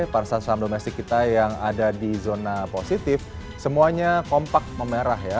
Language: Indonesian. pasar saham domestik kita yang ada di zona positif semuanya kompak memerah ya